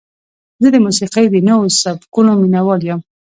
زه د موسیقۍ د نوو سبکونو مینهوال یم.